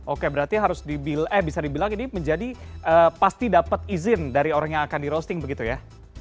oke berarti harus bisa dibilang ini menjadi pasti dapat izin dari orang yang akan di roasting begitu ya